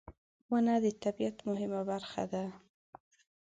• ونه د طبیعت مهمه برخه ده.